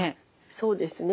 そうですね。